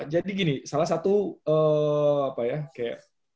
jadi gini salah satu apa ya kayak